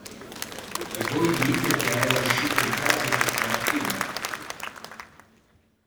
E voi dite che è uscita di casa questa mattina?